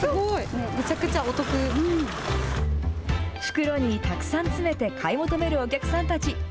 袋にたくさん詰めて買い求めるお客さんたち。